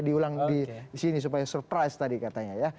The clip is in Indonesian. diulang di sini supaya surprise tadi katanya ya